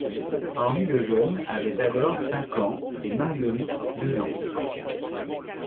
Henri le Jeune avait alors cinq ans et Marguerite deux ans.